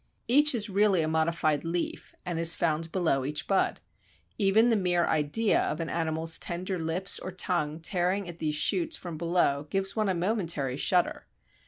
Each is really a modified leaf and is found below each bud. Even the mere idea of an animal's tender lips or tongue tearing at these shoots from below gives one a momentary shudder.